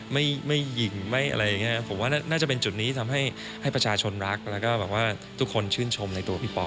ไม่หญิงไม่อะไรอย่างนี้ผมว่าน่าจะเป็นจุดนี้ทำให้ประชาชนรักแล้วก็แบบว่าทุกคนชื่นชมในตัวพี่ปอ